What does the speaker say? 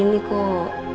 nangis disini kok